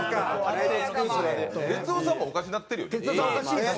哲夫さんもおかしなってるよね。